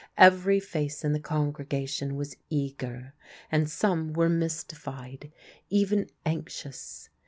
Every face in the congregation was eager, and some were mystified, even anxious.